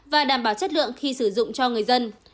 và đảm bảo chất lượng khi sử dụng cho người dân